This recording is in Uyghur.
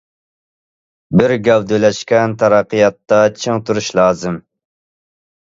بىر گەۋدىلەشكەن تەرەققىياتتا چىڭ تۇرۇش لازىم.